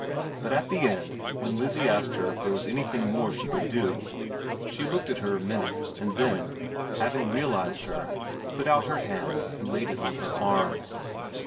But at the end, when Lizzie asked her if there was anything more she could do, she looked at her a minute and then, having realised her, put out her hand and laid it on her arm.